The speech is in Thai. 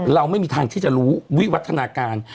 เราไม่มีทางที่จะรู้วิวัฒนาการ